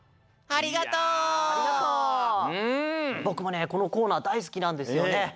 ぼくもねこのコーナーだいすきなんですよね。